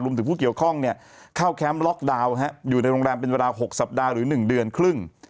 ถึงผู้เกี่ยวข้องเข้าแคมป์ล็อกดาวน์อยู่ในโรงแรมเป็นเวลา๖สัปดาห์หรือ๑เดือนครึ่ง